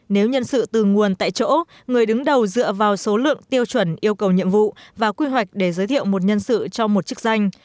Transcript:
nếu nhân sự từ nguồn tại chỗ người đứng đầu dựa vào số lượng tiêu chuẩn yêu cầu nhiệm vụ và quy hoạch để giới thiệu một nhân sự cho một chức danh